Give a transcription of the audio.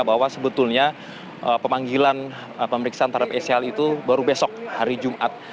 bahwa sebetulnya pemanggilan pemeriksaan terhadap scl itu baru besok hari jumat